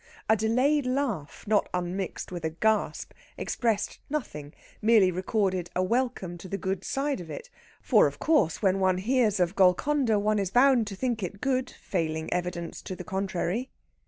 A delayed laugh, not unmixed with a gasp, expressed nothing merely recorded a welcome to the good side of it. For, of course, when one hears of Golconda one is bound to think it good, failing evidence to the contrary.